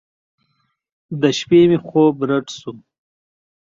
د شپې مې خوب رډ سو.